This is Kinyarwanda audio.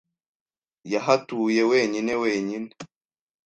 Yahatuye wenyine wenyine.